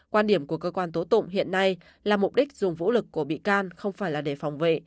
quan điểm của cơ quan tố tụng hiện nay là mục đích dùng vũ lực của bị can không phải là để phòng vệ